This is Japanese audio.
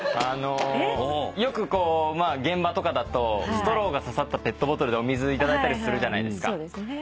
あのよくこう現場とかだとストローがささったペットボトルでお水頂いたりするじゃないですか。